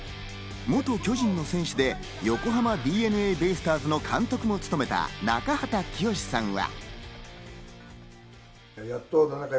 元巨人の選手で、横浜ＤｅＮＡベイスターズの監督も務めた中畑清さんは。